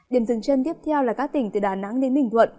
điểm dừng chân tiếp theo là các tỉnh từ đà nẵng đến bình thuận